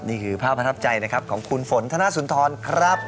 นี่คือภาพภัทรัพย์ใจของคุณฝนธนาสุนทรครับ